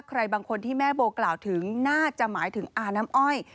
ใครบางคนที่แม่โบกล่าวถึงน่าจะหมายถึงอาน้ำอ้อย